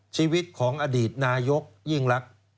ชีวิตของอดีตนายกยิ่งรัก